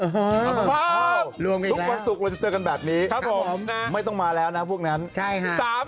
ทุกวันศุกร์เราจะเจอกันแบบนี้ไม่ต้องมาแล้วนะพวกนั้น